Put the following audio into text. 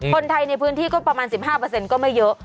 คนไทยในพื้นที่ก็ประมาณ๑๕ก็ไม่เยอะ